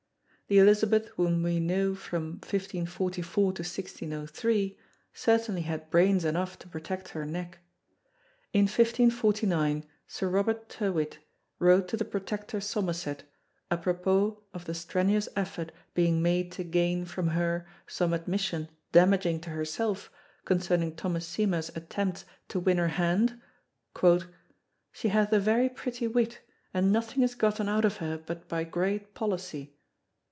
The Elizabeth whom we know from 1544 to 1603 certainly had brains enough to protect her neck. In 1549 Sir Robert Tyrwhitt wrote to the Protector Somerset, apropos of the strenuous effort being made to gain from her some admission damaging to herself concerning Thomas Seymour's attempts to win her hand: "She hath a very pretty wit and nothing is gotten out of her but by great policy."